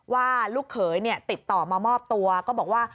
ว่าลูกเขยติดต่อมามอบตัวก็บอกว่า